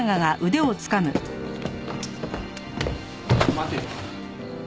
待てよ。